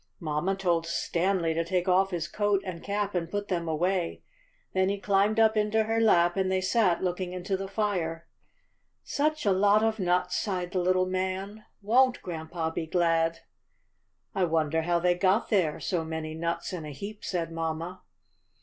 ^' Mamma told Stanley to take off his coat and cap and put them away. Then he climbed up STANLEY AND THE SQUIRRELS. 51 into her lap, and they sat looking into the fire. ^^Such a lot of nuts,^' sighed the little man; ^'wonH grandpa be glad?" wonder how they got there — so many nuts in a heap," said mamma.